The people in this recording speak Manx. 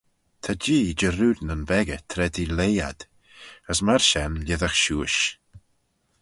Ta jee jarrood nyn beccah tra t'eh leih ad, as myr shen lhisagh shiuish.